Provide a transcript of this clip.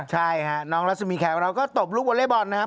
ใช่ฮะน้องรัศมีแขกเราก็ตบลูกวอเล็กบอลนะครับ